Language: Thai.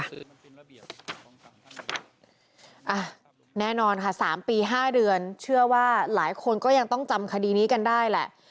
อาแน่นอนค่ะ๓ปี๕เดือนเชื่อว่าหลายคนก็ยังต้องจำคดีนี้กันได้แหละ